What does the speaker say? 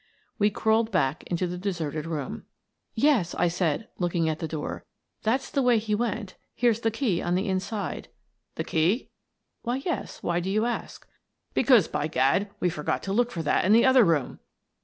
We crawled back into the deserted room. " Yes," I said, looking at the door, " that's the way he went. Here's the key on the inside." "The key?" "Why, yes. Why do you ask?" " Because, by gad, we forgot to lode for that in the other room!"